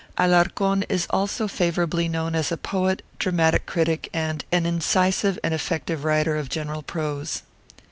Alarcón is also favorably known as poet, dramatic critic, and an incisive and effective writer of general prose.